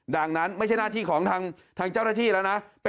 ดังนั้นไม่ใช่หน้าที่ของทางเจ้าหน้าที่แล้วนะ